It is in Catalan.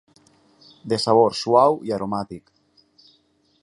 De sabor suau i aromàtic.